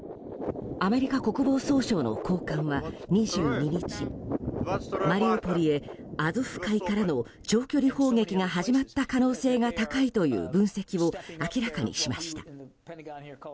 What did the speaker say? アメリカ国防総省の高官は２２日マリウポリへ、アゾフ海からの長距離砲撃が始まった可能性が高いという分析を明らかにしました。